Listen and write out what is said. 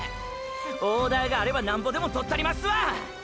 オーダーがあればナンボでも獲ったりますわ！！